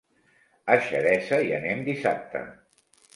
A Xeresa hi anem dissabte.